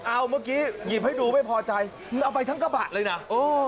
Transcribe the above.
เอาเมื่อกี้หยิบให้ดูไม่พอใจมันเอาไปทั้งกระบะเลยนะ